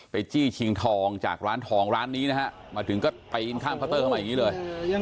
จี้ชิงทองจากร้านทองร้านนี้นะฮะมาถึงก็ปีนข้ามเคานเตอร์เข้ามาอย่างนี้เลย